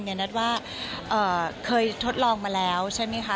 นัทว่าเคยทดลองมาแล้วใช่ไหมคะ